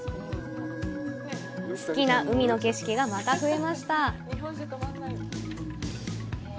好きな海の景色がまた増えました！